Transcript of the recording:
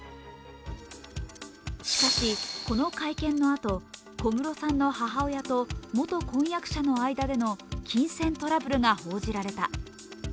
しかし、この会見のあと小室さんの母親と元婚約者の間での金銭トラブルが報じられた。